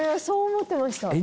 そう思ってました。